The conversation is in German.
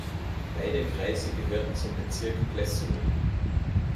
Beide Kreise gehörten zum Bezirk Plessur.